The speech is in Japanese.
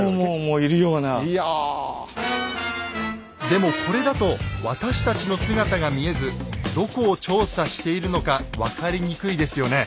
でもこれだと私たちの姿が見えずどこを調査しているのか分かりにくいですよね。